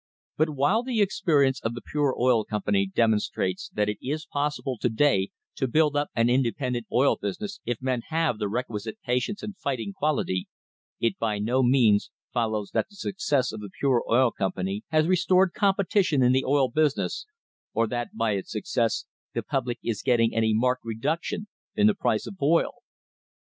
But while the experience of the Pure Oil Company demon strates that it is possible to day to build up an independent oil business if men have the requisite patience and fighting quality, it by no means follows that the success of the Pure Oil Company has restored competition in the oil business or that by its success the public is getting any marked reduction in the price of oil.